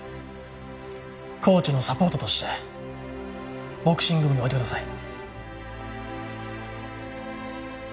コーチのサポートとしてボクシング部に置いてください。